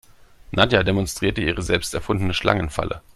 Nadja demonstriert ihre selbst erfundene Schlangenfalle.